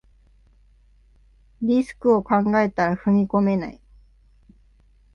リスクを考えたら踏み込めない